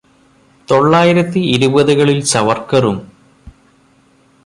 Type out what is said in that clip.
തൊള്ളായിരത്തി ഇരുപതുകളില് സവര്ക്കറും